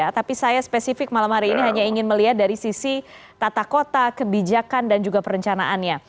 tapi saya spesifik malam hari ini hanya ingin melihat dari sisi tata kota kebijakan dan juga perencanaannya